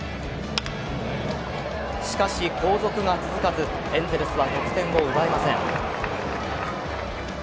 しかし後続が続かずエンゼルスは得点を奪えません。